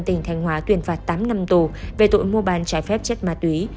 tỉnh thành hóa tuyển phạt tám năm tù về tội mua bán trái phép chất ma túy